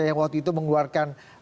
yang waktu itu mengeluarkan